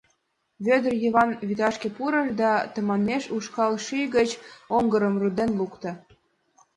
Вӧдыр Йыван вӱташке пурыш да тыманмеш ушкал шӱй гыч оҥгырым руден лукто.